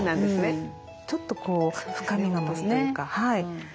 ちょっとこう深みが増すというか。